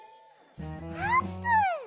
あーぷん！